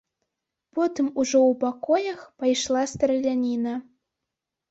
Потым ужо ў пакоях пайшла страляніна.